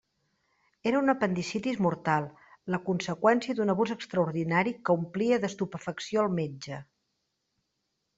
Era una apendicitis mortal: la conseqüència d'un abús extraordinari que omplia d'estupefacció el metge.